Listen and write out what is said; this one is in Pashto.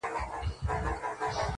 په ډېرو موضوعاتو پوهیږي